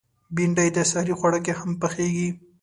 بېنډۍ د سحري خواړه کې هم پخېږي